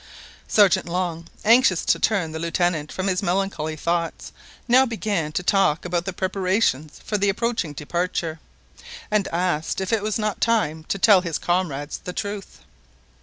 Sergeant Long, anxious to turn the Lieutenant from his melancholy thoughts, now began to talk about the preparations for the approaching departure, and asked if it was not time to tell his comrades the truth.